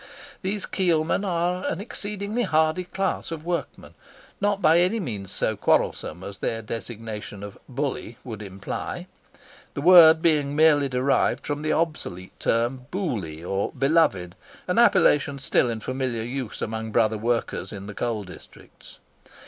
These keelmen are an exceedingly hardy class of workmen, not by any means so quarrelsome as their designation of "bully" would imply—the word being merely derived from the obsolete term "boolie," or beloved, an appellation still in familiar use amongst brother workers in the coal districts.